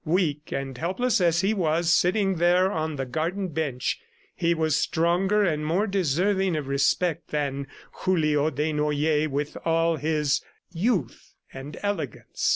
Weak and helpless as he was sitting there on the garden bench, he was stronger and more deserving of respect than Julio Desnoyers with all his youth and elegance.